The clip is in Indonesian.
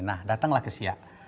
nah datanglah ke siak